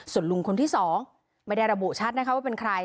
ส่วนลุงคนที่๒ไม่ได้ระบุชัดนะคะว่าเป็นใคร